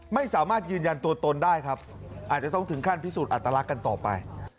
ไม่สามารถยืนยันตัวตนได้ครับอาจจะต้องถึงขั้นพิสูจนอัตลักษณ์กันต่อไป